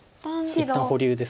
一旦保留です。